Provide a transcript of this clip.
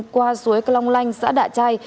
qua suối cá long lanh xã đạ trai